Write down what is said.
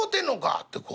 ってこう。